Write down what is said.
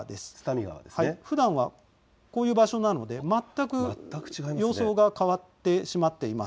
ふだんはこういう場所なので全く様相が変わってしまっていました。